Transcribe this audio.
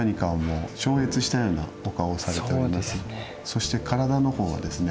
そして体の方はですね